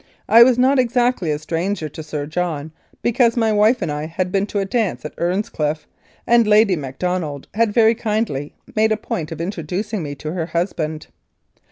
I was not exactly a stranger to Sir John, because my wife and I had been to a dance at Earnscliffe, and Lady Mac donald had very kindly made a point of introducing me to her husband.